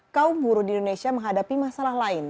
kaum buruh di indonesia menghadapi masalah lain